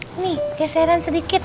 sini keseran sedikit